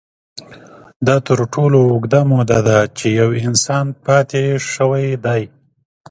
دا تر ټولو اوږده موده ده، چې یو انسان پاتې شوی دی.